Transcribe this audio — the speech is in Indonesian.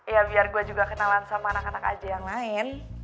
ya biar gue juga kenalan sama anak anak aja yang lain